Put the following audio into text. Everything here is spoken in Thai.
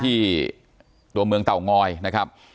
ที่ตัวเมืองเตางอยนะครับ